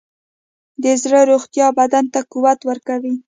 د زړه روغتیا بدن ته قوت ورکوي.